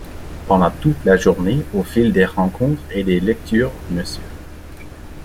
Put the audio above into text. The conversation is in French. Pendant toute la journée, au fil des rencontres et des lectures, Mr.